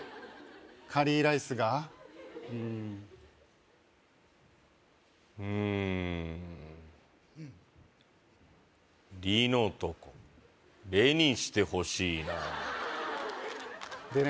カリーライスがうんうん「リ」のとこ「レ」にしてほしいなでね